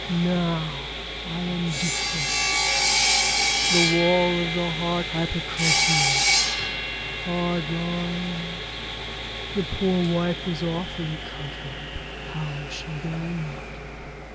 Now I am defunct, the wall of the heart hypertrophied. Hard lines. The poor wife was awfully cut up. How is she bearing it?